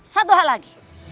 satu hal lagi